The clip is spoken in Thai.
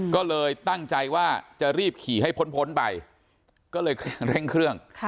ก็เลยตั้งใจว่าจะรีบขี่ให้พ้นไปก็เลยเร่งเครื่อง